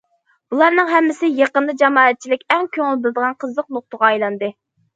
بۇلارنىڭ ھەممىسى يېقىندا جامائەتچىلىك ئەڭ كۆڭۈل بىلىدىغان قىزىق نۇقتىغا ئايلاندى.